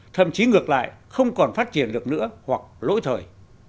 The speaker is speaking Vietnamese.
thậm chí ngược lại không còn phát triển được nữa hoặc lỗi thời